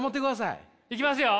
いきますよ。